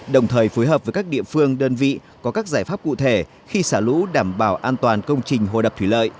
đồng thời phối hợp với các địa phương đơn vị có các giải pháp cụ thể khi xả lũ đảm bảo an toàn công trình hồ đập thủy lợi